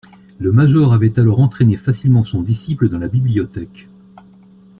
Le major avait alors entraîné facilement son disciple dans la bibliothèque.